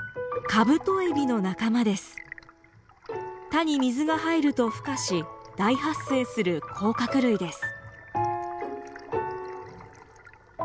田に水が入るとふ化し大発生する甲殻類です。